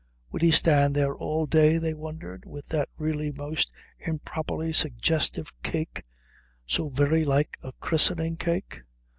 Would he stand there all day, they wondered, with that really most improperly suggestive cake, so very like a christening cake?